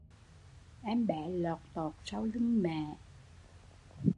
Em bé lọt tọt sau lưng mẹ